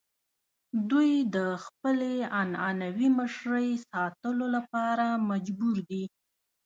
دوی د خپلې عنعنوي مشرۍ ساتلو لپاره مجبور دي.